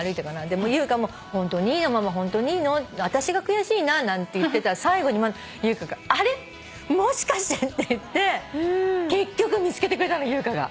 で優香も「ホントにいいの？ママあたしが悔しいな」なんて言ってたら最後に優香が「あれ？もしかして」って言って結局見つけてくれたの優香が。